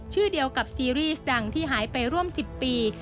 ชื่อเดียวกับซีรีส์ดังที่หายไปร่วม๑๐ปี